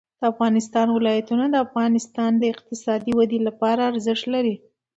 د افغانستان ولايتونه د افغانستان د اقتصادي ودې لپاره ارزښت لري.